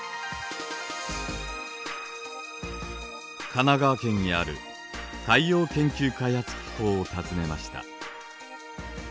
神奈川県にある海洋研究開発機構を訪ねました。